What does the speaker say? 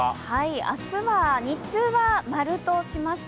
明日は日中は○としました。